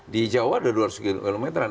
di jawa ada dua ratus kilometeran